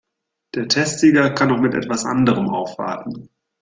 Der Testsieger kann noch mit etwas anderem aufwarten.